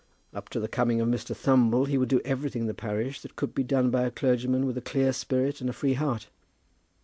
Up to the coming of Mr. Thumble he would do everything in the parish that could be done by a clergyman with a clear spirit and a free heart.